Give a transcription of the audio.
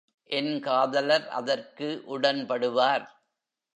என் காதலர் அதற்கு உடன்படுவார்.